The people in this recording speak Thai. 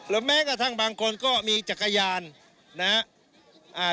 แล้วแม้กระทั่งบางคนก็มีจักรยานนะครับ